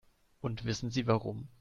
Und wissen Sie warum?